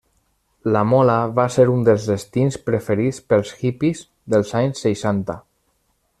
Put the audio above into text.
La Mola va ser un dels destins preferits pels hippies dels anys seixanta.